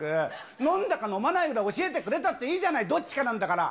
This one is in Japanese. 飲んだか飲まないかぐらい教えてくれたっていいじゃない、どっちかなんだから。